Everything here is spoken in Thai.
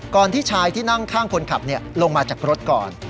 ที่ชายที่นั่งข้างคนขับลงมาจากรถก่อน